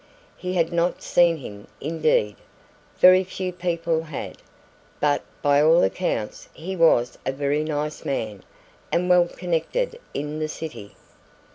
He had not seen him indeed, very few people had, but by all accounts he was a very nice man, and well connected in the City.